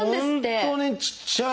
本当にちっちゃいな。